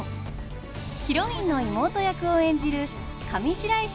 ヒロインの妹役を演じる上白石